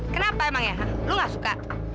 kenapa emang ya lu gak suka